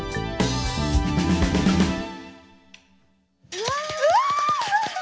うわ！